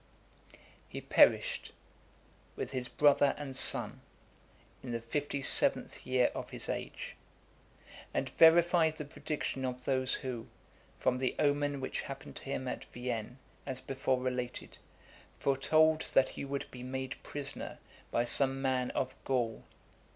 XVIII. He perished with his brother and son , in the fifty seventh year of his age , and verified the prediction of those who, from the omen which happened to him at Vienne, as before related , foretold that he would be made prisoner by some man of Gaul.